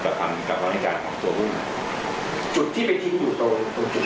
ตามคำให้การของตัวหุ้นจุดที่ไปทิ้งอยู่ตรงตรงจุด